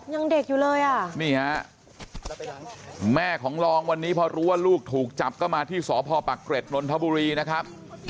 ยังเด็กอยู่เลยอ่ะนี่ฮะแม่ของรองวันนี้พอรู้ว่าลูกถูกจับก็มาที่สพปักเกร็ดนนทบุรีนะครับ